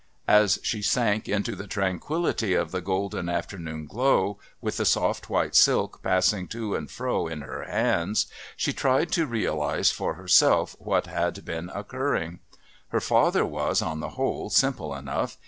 As she sank into the tranquillity of the golden afternoon glow, with the soft white silk passing to and fro in her bands, she tried to realise for herself what had been occurring. Her father was, on the whole, simple enough.